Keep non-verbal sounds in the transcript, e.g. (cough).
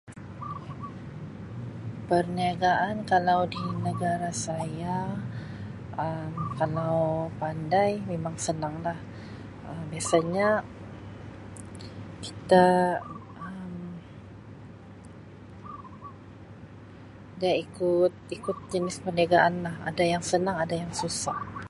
(noise) Perniagaan kalau (noise) di negara saya Um (noise) kalau pandai memang senang lah (noise) biasanya kita (noise) Um (noise) dia ikut ikut (noise) jenis perniagaan lah ada yang senang ada yang susah. (noise)